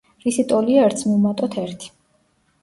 რისი ტოლია ერთს მივუმატოთ ერთი.